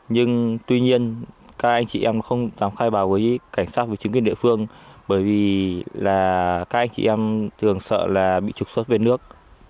nhưng tuy nhiên các anh chị em không dám khai báo với cảnh sát và chính quyền địa phương bởi vì là các anh chị em thường sợ là bị trục xuất về nước